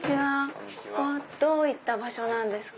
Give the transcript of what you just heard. ここはどういった場所なんですか？